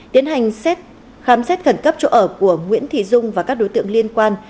tiến hành xét khám xét khẩn cấp chỗ ở của nguyễn thị dung và các đối tượng liên quan